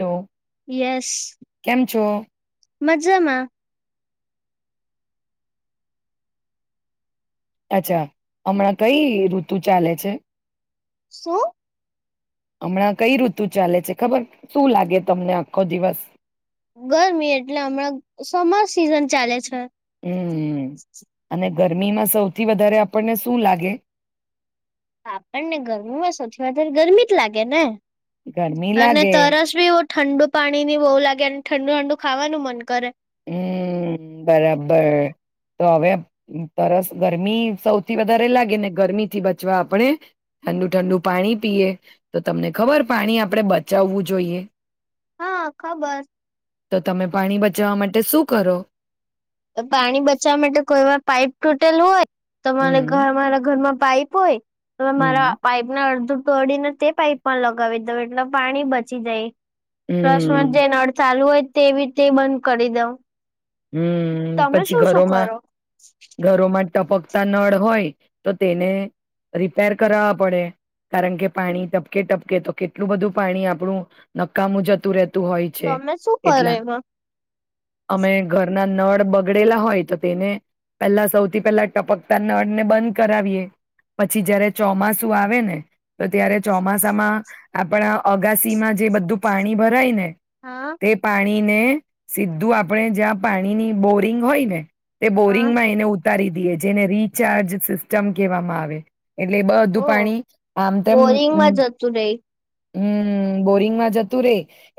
હ યસ કેમ છો? મજામાં. અચ્છા હમણાં કઈ ઋતુ ચાલે છે? શું? હમણાં કઈ ઋતુ ચાલે છે ખબર શું લાગે તમને આખો દિવસ? ગરમી એટલે હમણાં સમર સિઝન ચાલે છે. હમ અને ગરમીમાં સૌથી વધારે આપણને શું લાગે? આપણને ગરમીમાં સૌથી વધારે ગરમી જ લાગે ને. ગરમી અને લાગે તરસ બી. ઠંડુ પાણી ની બહુ લાગે અને ઠંડુ ઠંડુ ખાવાનું મન કરે. હમ બરાબર, તો હવે તસ ગરમી સૌથી વધારે લાગે ને ગરમીથી બચવા આપણે, ઠંડુ ઠંડુ પાણી પીએ, તો તમને ખબર પાણી આપણેે બચાવવું જોઈએ. હા ખબર. તો તમે પાણી બચાવવા માટે શું કરો? પાણી બચવા માટે કોઈ વાર પાઈપ તૂટેલું હોય તમારે ઘ હમ મારા ઘર માં પઈપ હોય. હવે મારા હમ પાઈપ ના અડધો દોડીને તે પાઈપ માં લગાવી દઉ એટલે પાણી બચી જાય. ફ્લશમાં હમ જે નળ ચાલુ હોય તેવી તે બંધ કરી દઉં. હમ્મ, તમે પછી શું શું કરો ઘરોમાં ઘરોમાં ટપકતા નળ હોય તો તેને રિપેર કરાવવા પડે કારણ કે પાણી ટપકે ટપકે તો કેટલું બધું પાણી આપડું નકામું જતું રહે તમે શું કર એમાં? અમે ઘરના નળ બગડેલા હોય તો તેને પેલા સૌથી પહેલા ટપકતા નળને બંધ કરાવીએ. પછી જયારે ચોમાસું આવે ને તો ત્યારે ચોમાસામાં આપણા અગાસીમાં જે બધું પાણી ભરાય ને હા તે પા ની ને સીધું આપડે જ્યાં પાણી ની બોરિંગ હોય ને તે હા બોરિંગ માં એને ઉતારી દિયે જેને રિચાર્જ સિસ્ટમ કહેવામાં આવે. એટલે બધું ઓ પાણી આમ તેમ બોરિંગમાં અમ્મ જતું રહી હમ્મ બોરિંગમાં જતું રે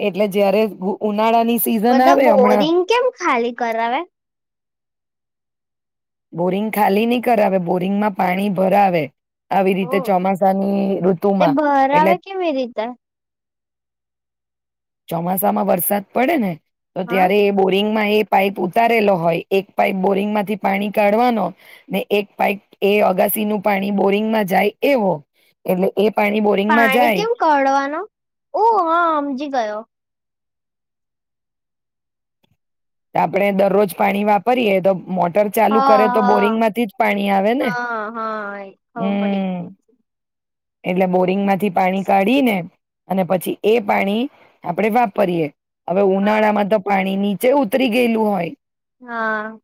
એટલે જયારે ઓ ઉન નાળા ની સિઝન બધા આવે હમણાં બોરિંગ કેમ ખાલી કરાવે? બોરિંગ ખાલી નહી કરાવે બોરિંગમાં પાણી ભરાવે આવી રીતે ચોમાસાની તે ઋતુમાં ભરાવે એટલે કેવી રીતે ચોમાસામાં વરસાદ પડે ને તો હા ત્યારે એ બોરિંગમાં એ પાઈપ ઉતારેલો હોય, એક પાઈપ બોરિંગમાંથી પાણી કાઢવાનો, ને એક પાઈપ એ અગાસી નું પાણી બોરિંગમાં જાય એવો, એટલે એ પાણી બોરિંગમાં પાણી જાય કેમ કડવાનો? ઓહ હા હમજી ગયો. આપણેે દરરોજ પાણી વાપરીએ તો મોટર ચાલુ હા કરે તો બોરિંગ હા માંથી જ પાણી આવે ને. હા હા એ ખબર હમ્મ. પડી એટલે બોરિંગ માંથી પાણી કાઢીને અને પછી એ પાણી આપણે વાપરીએ. હવે હા ઉનાળા માં તો પાણીની જેવું જ ઉતરી ગયેલું હોય હા.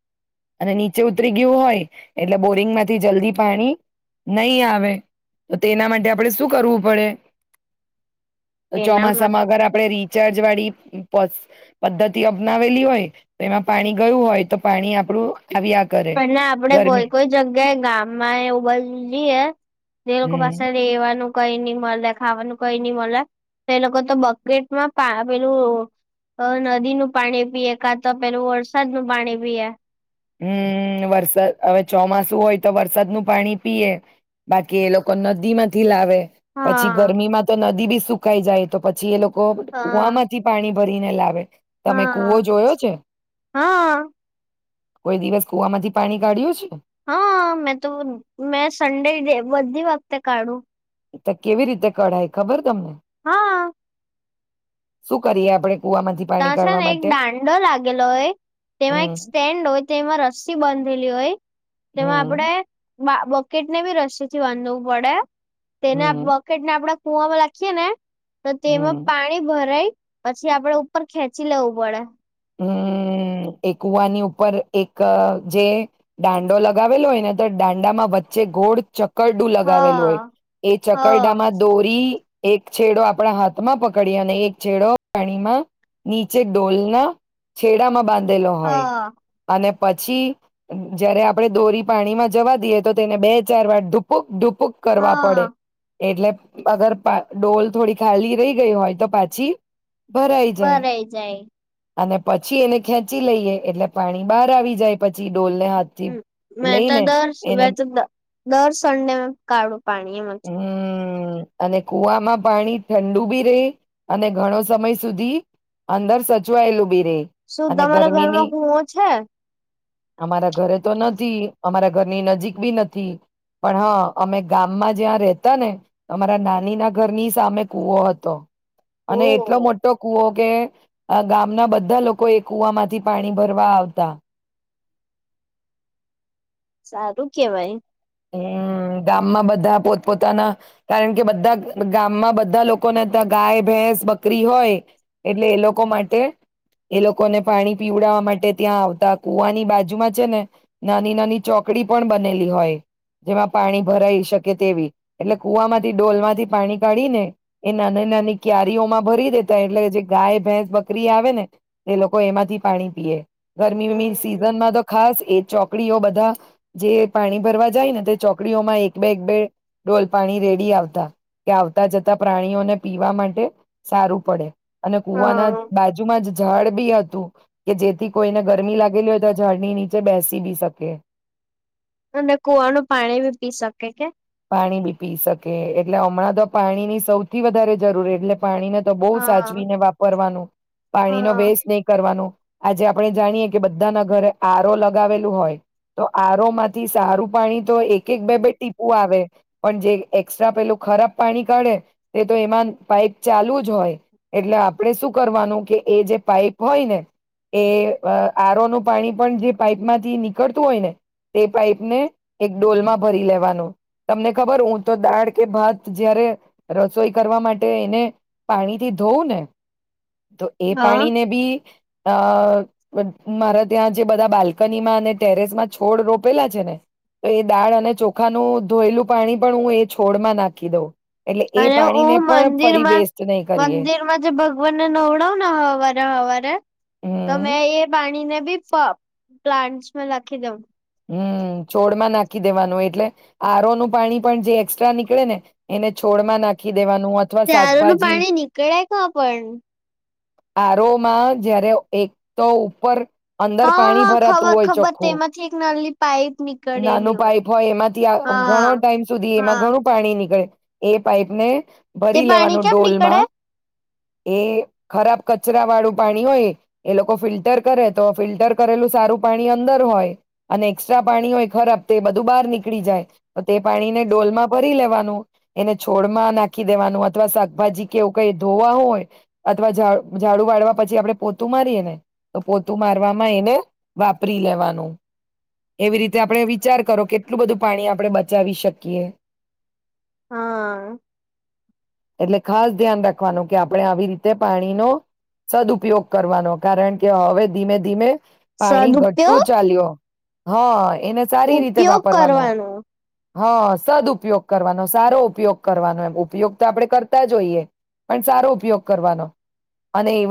અને નીચે ઉતરી ગયું હોય એટલે બોરિંગ માંથી જલ્દી પાણી નહીં આવે. તો તેના માટે આપણે શું કરવું પડે? તો એના ચોમાસામાં અગર આપડે રી ચાર્જ વાળી પસ પદ્ધતિ અપનાવેલી હોય તો એમાં પાણી ગયું હોય તો પાણી આપડું પણ ને આપડે કોઈ-કોઈ જગ્યાએ ગામમાં એવું બાજું જઈએ, જે લોકો હમ પાસે રહેેવાનું કંઈ નઈ મલે, ખાવાનું કંઈ નહીં મલે, તો એ લોકો તો બકેટમાં પા પેલું અહ નદી નું પાણી પીએ, કા તો પેલું વરસાદ નું પાણી પીએ. હમ વરસાદ હવે ચોમાસું હોય તો વરસાદ નું પાણી પીએ, બાકી એ લોકો નદી માંથી લાવે. પછી હા ગરમી માં તો નદી બી સુકાઈ જાય તો પછી એ લોકો હા કવામાંથી પાણી ભરીને લાવે. તમે હા કુવો જોયો છે? હા કોઈ દિવસ કુ થી પાણી કાઢ્યું છે? હા મેં તો મેં સન્ડે બધી વખતે કાઢું. એ તો કેવી રીતે કઢાય ખબર તમને? હા. શું કરીએ આપડે? કુવામાંથી ત પાણી છે કાઢવા ને એક માટે દાંડો લાગેલો હોય, તેમાં એક હમ સ્ટેન્ડ હોય તેમાં રસ્સી બંધેલી હોય, તેમાં હમ આપણેે બોકેટ ને બી રસી થી વાંધવું પડે? તેના હમ બકેટ ને આપડા પુંવામાં લખીએ ને. તો તેમાં હમ પાણી ભરાય. પછી આપડે ખેંચી લેવું પડે. હમ એકુવાની ઉપર એક જે દાંડો લગાવેલો હોય ને તો દાંડામાં વચ્ચે ગોળ ચ ચકરડું હ લગાવેલું હોય એ હ ચકરડામાં દોરી એક છેડો આપણા હાથમાં પકડીએ અને એક છેડો પાણીમાં નીચે ડોલના છેડામાં બાંધ હ હોય અને પછી જયારે આપડે દોરી પાણીમાં જવા દઈએ તો તેને બે ચાર વાર ઢુપુક ઢુ પુક હ કરવા પડે એટલે અગર ડોલ થોડી ખાલી રહી ગઈ હોય તો પાછી ભરાઈ જાય અને પછી એને ખેંચી લઈએ એટલે પાણી બહાર આવી જાય પછી ડોલને હ હાથથી મેં તો લઈને દર એને તો દર સંડે કાઢું પાણી એમાંથી હમ અને કુવામાં પાણી ઠંડુ બી રે અને ઘણો સમય સુધી અંદર સ જોયલુબી શું તમારા ઘરમાં કુવો છે અમારા ઘરે તો નથી અમારા ઘરની નજીક બી નથી પણ હા અમે ગામમાં જ્યાં રેતા ને અમારા નાની ના ઘરની સામે કુવો હતો. ઓ અને એટલો મોટો કુવો કે આ ગામના બધા લોકો એ કુવા માંથી પાણી ભરવા આવતા સારું કેવાય હમ્મ. ગામમાં બધા પોતપોતાના કારણ કે બધા ગામમાં બધા લોકોને ત્યાં ગાય, ભેંસ, બકરી હોય એટલે એ લોકો માટે એ લોકોને પાણી પીવડાવવા માટે ત્યાં આવતા કુવાની બાજુમાં છે ને, નાની-નાની ચોકડી પણ બનેલી હોય. જેમાં પાણી ભરાઈ શકે તેવી, એટલે કુવામાંથી ડોલમાંથી પાણી કાઢી ને એ નાના નાની ક્યારીઓમાં ભરી દેતા હોય, એટલે કે જે ગાય, ભેંસ, બકરી આવે ને, એ લોકો એમાંથી પાણી પીએ. ગરમી મી હમ સીઝન માં તો ખાસ એ ચોક કડીઓ બધા જે પાણી ભરવા જાય ને તે ચોકડીઓમાં એક બે, એક બે ડોલ પાણી રેડી આવતા, કે આવતા જતા પ્રાણીઓને પીવા માટે સારું પડે. અને કુવાના હા બાજુ માં જ જળ બી હતું. કે જેથી કોઈને ગરમી લાગેલી હોય તો ઝાડની નીચે બેસી બી શકે. અને કુવાનું પાણી બી પી શકે કે. પાણી બી પી શકે, એટલે હમણાં તો પાણી ની સૌથી વધારે જરૂર એટલે પાણીને તો બહુ હા સાચવીને વાપરવાનું, પાણી નો હા વેસ્ટ નહીં કરવાનો. આજે આપણે જાણીએ કે બધાના ઘરે આર ઓ લગાવેલું હોય, તો આર ઓ માંથી સારું પાણી તો એક-એક બે-બે ટીપ પું આવે, પણ જે એકસ્ટ્રા પેલું ખરાબ પાણી કાઢે તે તો એમાં પાઈપ ચાલુ જ હોય, એટલે આપણે શું કરવાનું કે એ જે પાઈપ હોય ને એ અહ આર ઓ નું પાણી પણ જે પાઈપમાંથી નીકળતું હોય ને તે પાઈપ ને એક ડોલમાં ભરી લેવાનું. તમને ખબર હું તો દાળ કે ભાત જયારે રસોઈ કરવા માટે એને પાણીથી ધોવું ને તો એ હા પાણીને બી અહ મારા ત્યાં જે બધા બાલ્કનીમાં અને ટેરેસ માં છોડ રોપેલા છે ને, તો એ દાળ અને ચોખાનું ધોયેલું પાણી પણ હું એ છોડ માં નાખી દઉં. એટલે એ અને હું પાણીને પણ ફરી વેસ્ટ નહી કરીએ મંદિરમાં-મંદિરમાં જે ભગવાનને નવડાવ ને હવારે-હવારે, તો હમ મેં એ પાણીને બી પ પ્લાન્ટસમાં લાખી દઉ. હમ્મ, છોડમાં નાખી દેવાનું, એટલે આર ઓ નું પાણી પણ જે એકક્સ્ટ્રા નીકળે ને એને છોડ માં નાખી દેવાનું અથવા ત્યારનું શાકભાજી પાણી નીકળે કા પણ? આ રો માં જયારે એક તો ઉપર અંદર હા પાણી હા ભરાતું ખબર હોય ખબર ચોખ્ખું તોમાંથી એક નલ ની નાનું પાઈપ હોય એમાંથી આ હા ઘણો ટાઈમ સુધી એમાં હા ઘણું પાણી નીકળે. એ પાઇપ ને તે ભરી પાણી લેવાનું કેમ નીકળે ડોલમાં એ ખરાબ કચરા વાળું પાણી હોય એ લોકો ફિલ્ટર કરે તો ફિલ્ટર કરેલું સારું પાણી અંદર હોય અને એક્સ્ટ્રા પાણી હોય ખરાબ તે બધું બહાર નીકળી જાય. તો તે પાણીને ડોલમાં ભરી લેવાનું એને છોડમાં નાખી દેવાનું અથવા શાકભાજી કેવું કઈ ધોવા હોય અથવા ઝા-ઝાડું વાળવા પછી આપડે પોતું મારીએ ને તો પોતું મારવામાં એને વાપરી લેવાનું. એવી રીત તે આપડે વિચાર કરો કેટલું બધું પાણી આપડે બ બચાવી શકીએ. હા. એટલે ખાસ ધ્યાન રાખવાનું કે આપડે આવી રીતે પાણીનો સદઉપયોગ કરવાનો કારણ કે હવે ધીમે ધીમે પાણી ઘટતું સદઉપયોગ ચાલ્યો. હા. એને સારી રીતે ઉપયોગ વાપરવાનું. કરવાનો હા સદ ઉપયોગ કરવાનો સારો ઉપયોગ કરવાનો એમ ઉપયોગ તો આપડે કરતા જો હોઈએ પણ સારો ઉપયોગ કરવાનો અને એ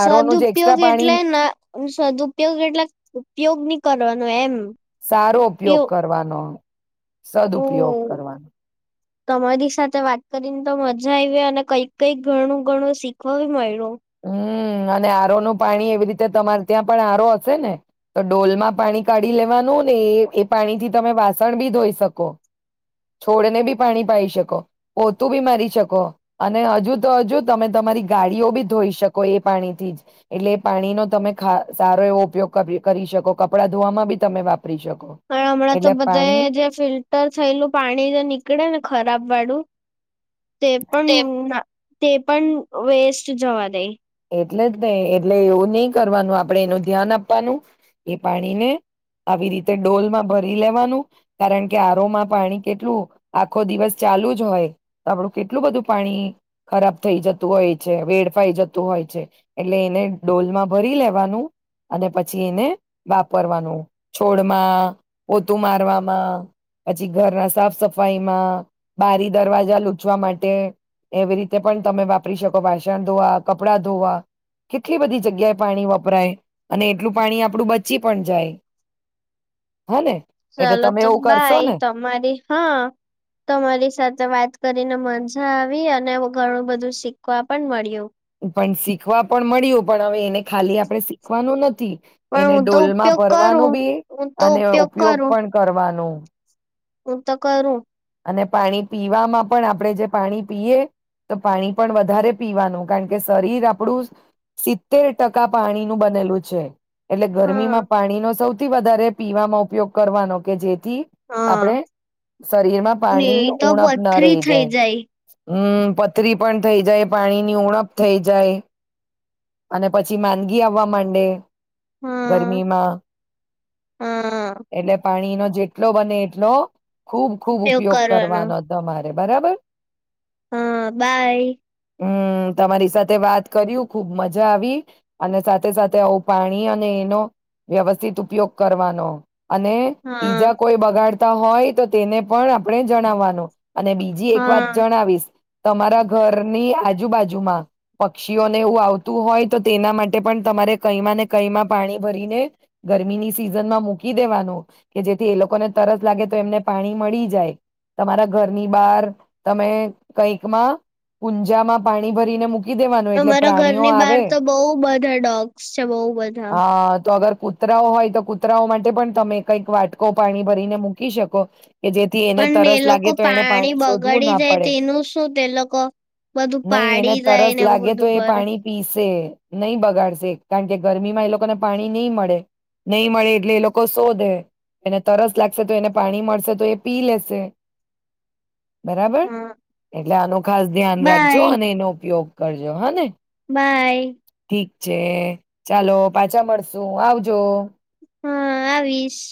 સદઉપયોગ એટલે ના સદઉપયોગ એટલે ઉપયોગ ની કરવાનો એમ. સારો ઉપયોગ કરવાનો હા સદઉપયોગ ઓ કરવાનો તમારી સાથે વાત કરીને તો મજા આવી અને કઈક કઈક ઘણું ઘણું શીખવા મયળુ. હમ અને આરોનું પાણી એવી રીતે તમારે ત્યાં પણ આરો હશે ને તો ડોલમાં પાણી કાઢી લેવાનું ને એ એ પાણી થી તમે વાસણ બી ધોઈ શકો છોડને બી પાણી પાઇ શકો પોતું બી મારી શકો અને હજુ તો હજુ તમે તમારી ગાડીઓ બી ધોઈ શકો એ પાણીથી જ એટલે એ પાણીનો તમે સારો એવો ઉપયોગ કરી શકો કપડાં ધોવામાં બી તમે વાપરો પણ હમણાં તો બધા જે ફિલ્ટર થયેલું પાણી તો નીકળે ને ખરાબ વાળું તે તે પણ ના તે પણ વેસ્ટ જવા દેય એટલે જ ને એટલે એવું ની કરવાનું આપણેે એનું ધ્યાન આપવાનું એ પાણીને આવી રીતે ડોલમાં ભરી લેવાનું કારણ કે આરોમાં પાણી કેટલું આખો દિવસ ચાલુ જ હોય તો આપડું કેટલું બધું પાણી ખરાબ થઈ જતું હોય છે વેડફાઈ જતું હોય છે એટલે એને ડોલમાં ભરી લેવાનું અને પછી એને વાપરવાનું છોડમાં, પોતું મારવામાં, પછી ઘરના સાફ સફાઈમાં, બારી દરવાજા લૂછવા માટે એવી રીતે પણ તમે વાપરી શકો વાસણ ધોવા કપડા ધોવા કેટલી બધી જગ્યાએ પાણી વપરાય અને એટલું પાણી આપણું બચી પણ જાય હા ને એટલે ચાલો તમે તો એવું કરશો બાય ને તમારી હા તમારી સાથે વાત કરીને મન આવી અને ઘણું બધું શીખવા પણ મળ્યું પણ શીખવા પણ મળ્યું પણ હવે એને ખાલી આપણે શીખવાનું નથી પણ એને હું તો ડોલમાં ઉપયોગ ભરવાનું કરું બી હું તો અને ઉપયોગ કરું પણ કરવાનું હું તો કરું અને પાણી પીવામાં પણ આપણે જે પાણી પીએ તો પાણી પણ વધારે પીવાનું કારણ કે શરીર આપણું સિત્તેર ટકા પાણીનું બનેલું છે. એટલે હા ગરમીમાં પાણી નો સૌ થી વધારે પીવામાં ઉપયોગ કરવાનો કે જે થી હા આપણે શરીરમાં ને પાણીની તો ઉણપ ન પથરી રહી થઇ જાય. હમ પથરી પણ થઇ જાય પાણીની ઉણપ થઈ જાય. અને પછી માંદગી આવવા માંડે. હા. ગરમીમાં, હા એટલે પાણી ન જેટલો બને એટલો ખુબ ખુબ ઉપયોગ કરવાનો તમારે. બરાબર. હા બાય. હમ તમારી સાથે વાત કર્યું ખુબ મજા આવી, અને સાથે સાથે આવું પાણી અને એનો વ્યવસ્થિત ઉપયોગ કરવાનો. અને હા બીજા કોઈ બગાડ હોય તો તેને પણ આપણે જણાવવાનું. અને બીજી એક વાત હા જણાવીશ. તમારા ઘરની આજુબાજુમાં પક્ષીઓ એવું આવતું હોય તો તેના માટે પણ તમારે કઈમાં ને કઈમાં પાણી ભરીને, ગરમીની સિઝન માં મૂકી દેવાનું, કે જેથી એ લોકોને તરસ લાગે તો એમને પાણી મળી જાય, તમારા ઘરની બહાર તમે કંઈકમાં કુંજામાં પાણી ભરીને મુકી ખી દેવાનું એટલે મારા ઘરની બહાર તો બઉ બધા ડોગ્સ છે, બહુ બધા. અ તો અગર કૂતરાઓ હોય તો કૂતરાઓ માટે પણ તમે કંઈક વાટકો પાણી ભરીને મૂકી શકો. કે જેથી એને પણ એ તરસ લોકો લાગે તો એને પાણી શોધવું બગાડી ના જાય પડે તેનું શું, તે લોકો બધું નહી એને પાડી જાય તરસ ને એવું લાગે બધું તો એ કર પાણી પીસે. નહીં બગાડશે કારણ કે ગરમીમાં એ લોકોને પાણી નહીં મળે, નહી મળે એટલે એ લોકો શોધે, એને તરસ લાગશે તો એને પાણી મળશે તો એ પી લેશે. બરાબર? હા એટલે આનું ખાસ ધ્યાન રાખજે હો બાય અને એનો ઉપયોગ કરજે, હો ને? બાય. ઠીક છે. ચાલો પાછા મળશું, આવજો. હા આવીશ